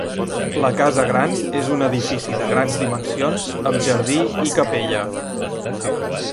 La Casa Gran és un edifici de grans dimensions amb jardí i capella.